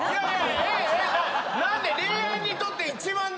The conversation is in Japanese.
何で⁉